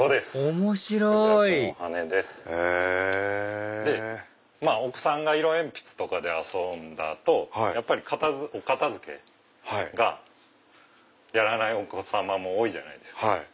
面白いお子さんが色鉛筆とかで遊んだ後お片付けをやらないお子様も多いじゃないですか。